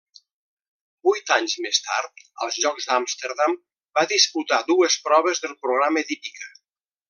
Vuit anys més tard, als Jocs d'Amsterdam, va disputar dues proves del programa d'hípica.